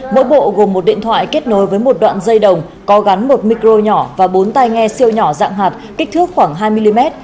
mỗi bộ gồm một điện thoại kết nối với một đoạn dây đồng có gắn một micro nhỏ và bốn tay nghe siêu nhỏ dạng hạt kích thước khoảng hai mm